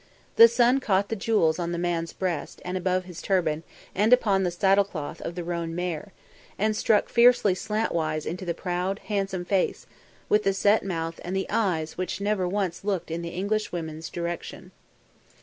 The sun caught the jewels on the man's breast and above his turban and upon the saddle cloth of the roan mare, and struck fiercely slantwise into the proud, handsome face with the set mouth and the eyes which never once looked in the Englishwomen's direction.